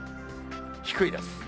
低いです。